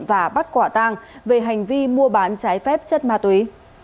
và bắt quả tang về hành vi mua bán trái phép chất ma túy